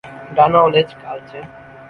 ডানা ও লেজ কালচে।